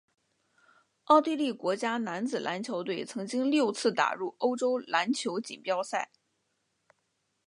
奥地利国家男子篮球队曾经六次打入欧洲篮球锦标赛。